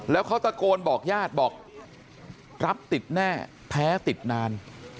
แล้วเขาตะโกนบอกญาติบอกรับติดแน่แพ้ติดนาน